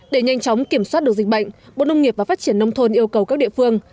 để nhanh chóng kiểm soát được dịch bệnh bộ nông nghiệp và phát triển nông thôn yêu cầu các địa phương